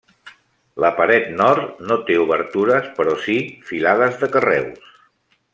La paret nord no té obertures, però si filades de carreus.